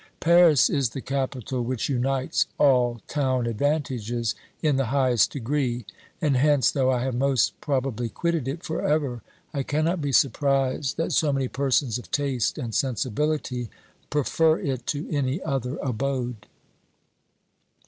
Paris is the capital which unites all town advantages in the highest degree, and hence, though I have most probably quitted it for ever, I cannot be surprised that so many persons of taste and sensibility prefer it to any other abode.